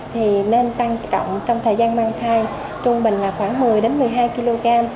thì nên tăng trọng trong thời gian mang thai trung bình là khoảng một mươi một mươi hai kg